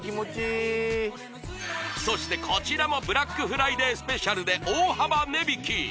そしてこちらもブラックフライデーＳＰで大幅値引き！